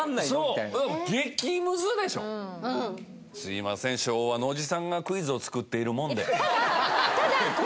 すいません昭和のおじさんがクイズを作っているもんで。